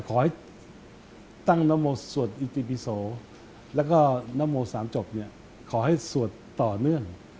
ขอให้ตั้งนับโมสวดอิติวิโสและนับโมสามจบเฉพาะสวดต่อเนื่อง